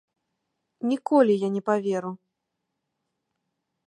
Ніколі я не паверу.